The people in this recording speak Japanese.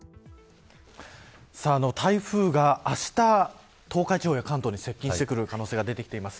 台風があした東海地方や関東に接近する可能性が出てきています。